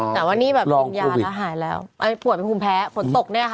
แต่วันนี้หายแล้วร่องโควิด